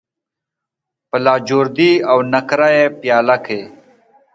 په لاجوردی او نقره یې پیاله کې